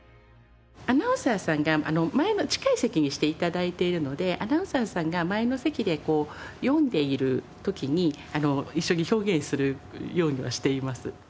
アナウンサーさんが前の近い席にして頂いているのでアナウンサーさんが前の席で読んでいる時に一緒に表現するようにはしています。